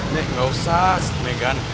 nih gak usah sih megan